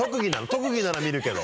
特技なら見るけど。